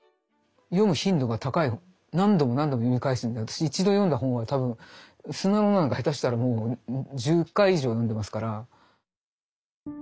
何度も何度も読み返すんで私一度読んだ本は多分「砂の女」なんか下手したらもう１０回以上読んでますから。